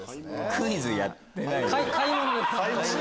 クイズやってない。